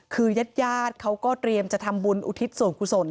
คือยัดเขาก็เตรียมจะทำบุญอุทิศส่วนคุณส่วน